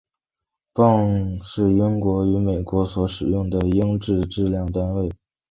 磅是英国与美国所使用的英制质量单位。